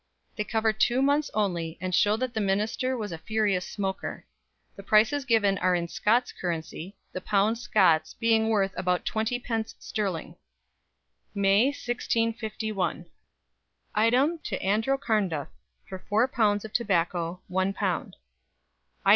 They cover two months only and show that the minister was a furious smoker. The prices given are in Scots currency, the pound Scots being worth about twenty pence sterling: Maii, 1651 It. to Andro Carnduff for 4 pund of Tobacco £1. 0. 0. It.